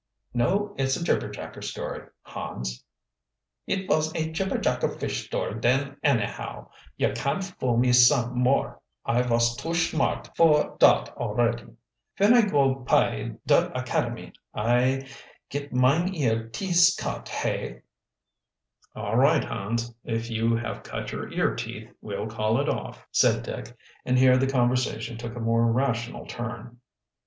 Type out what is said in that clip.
"No, it's a jibberjacker story, Hans." "It vos a jibjacker fish story den annahow. You can't fool me some more. I vos too schmart for dot alretty. Ven I go py der academy I git mine ear teeths cut, hey?" "All right, Hans, if you have cut your ear teeth we'll call it off," said Dick, and here the conversation took a more rational turn.